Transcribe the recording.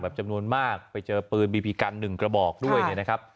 แบบจำนวนมากไปเจอปืนบีบีกัน๑กระบอกด้วยนะครับ